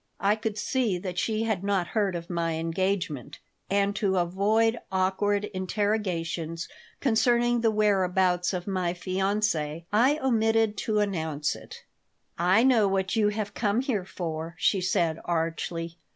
I could see that she had not heard of my engagement, and to avoid awkward interrogations concerning the whereabouts of my fiancée I omitted to announce it "I know what you have come here for," she said, archly.